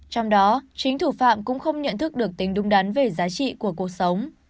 trong đó chính thủ phạm cũng không nhận thức được tính đúng đắn về giá trị của cuộc sống